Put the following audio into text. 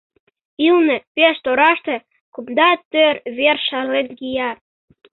ӱлнӧ, пеш тораште, кумда тӧр вер шарлен кия.